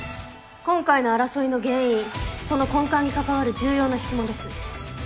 今回の争いの原因その根幹に関わる重要な質問です。